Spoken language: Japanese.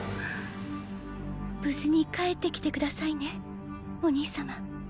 無事に帰って来て下さいねお兄様。